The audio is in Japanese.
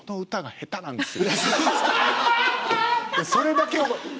下手なんですよ。